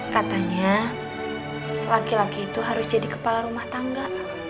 katanya laki laki itu harus jadi kepala rumah tangga